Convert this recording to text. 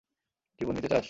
জীবন নিতে চাস?